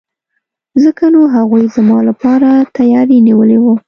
ځکه نو هغوی زما لپاره تیاری نیولی وو.